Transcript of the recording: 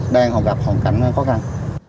đang gặp hoàn cảnh khó khăn